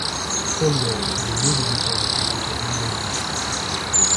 Holwerd est le lieu de départ des ferrys pour l'île d'Ameland.